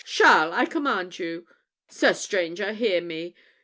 Charles, I command you hold. Sir stranger, hear me!